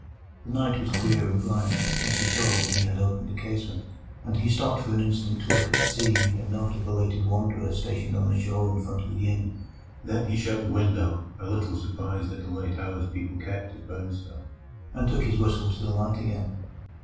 The night was clear and bright, as he saw when he had opened the casement, and he stopped for an instant to look at the sea and note a belated wanderer stationed on the shore in front of the inn. Then he shut the window, a little surprised at the late hours people kept at Burnstow, and took his whistle to the light again.